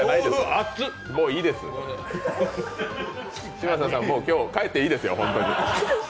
嶋佐さん、今日、帰っていいですよ。